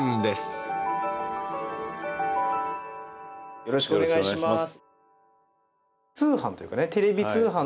よろしくお願いします。